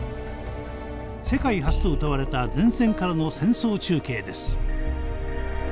世界初とうたわれた前線からの戦争中継です。